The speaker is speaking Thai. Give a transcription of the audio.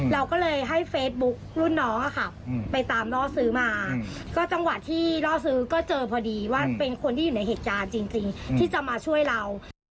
เราก็เลยให้เฟซบุ๊ครุ่นน้องไปตามล่อซื้อมาก็จังหวะที่ล่อซื้อก็เจอพอดีว่าเป็นคนที่อยู่ในเหตุการณ์จริงที่จะมาช่วยเรา